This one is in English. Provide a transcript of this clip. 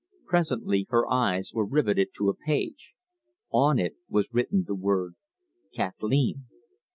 Presently her eyes were riveted to a page. On it was written the word Kathleen.